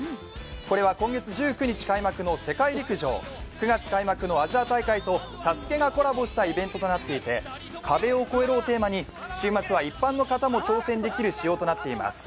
これは今月１９日開幕の世界陸上、９月開幕のアジア大会と「ＳＡＳＵＫＥ」がコラボしたイベントとなっていて、壁を越えろをテーマに週末は一般の方も使用できることになっています。